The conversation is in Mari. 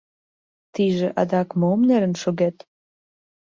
Тыйже адак мом нерен шогет?